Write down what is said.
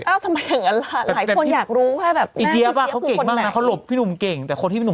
เอ้าทำไมอย่างนั้นล่ะ